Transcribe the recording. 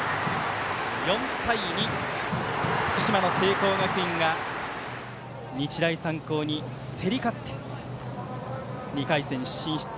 ４対２、福島の聖光学院が日大三高に競り勝って２回戦進出。